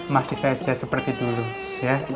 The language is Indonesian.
masih saja seperti dulu ya